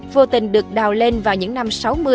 vô tình được đào lên vào những năm sáu mươi bảy mươi